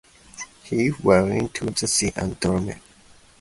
He fell into the sea and drowned.